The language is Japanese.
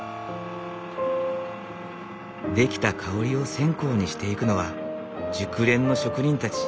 出来た香りを線香にしていくのは熟練の職人たち。